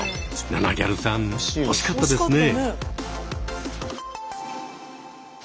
ナナぎゃるさん惜しかったですね。